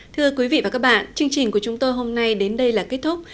thưa quý vị và các bạn chương trình của chúng tôi hôm nay đến đây là kết thúc